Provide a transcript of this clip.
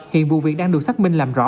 hiện vụ việc đang được xác minh làm rõ